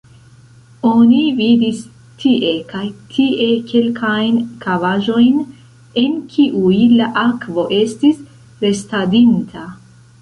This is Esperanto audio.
Oni vidis tie kaj tie kelkajn kavaĵojn, en kiuj la akvo estis restadinta.